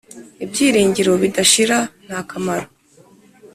ibyiringiro bidashira nta kamaro